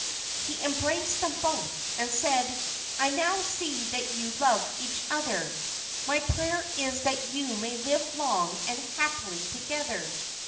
He embraced them both, and said: "I now see that you love each other; my prayer is that you may live long and happily together."